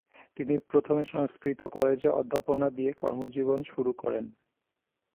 তিনি প্রথমে সংস্কৃত কলেজে অধ্যাপনা দিয়ে কর্মজীবন শুরু করেন।